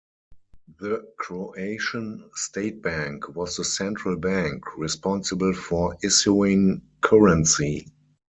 The Croatian State Bank was the central bank, responsible for issuing currency.